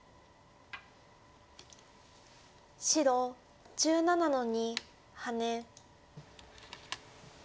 白１７の二ハネ。